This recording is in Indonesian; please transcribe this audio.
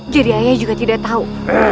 jadi ayah juga tidak tahu